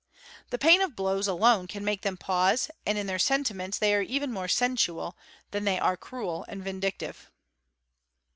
The pain of blows' alone can make them pause and in their sentiments they are even more | sensual than they are cruel and vindictive."